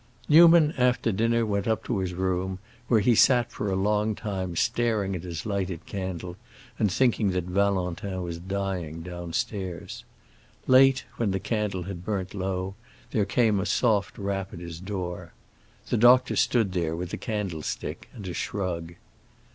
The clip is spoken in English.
Newman, after dinner, went up to his room, where he sat for a long time staring at his lighted candle, and thinking that Valentin was dying downstairs. Late, when the candle had burnt low, there came a soft rap at his door. The doctor stood there with a candlestick and a shrug.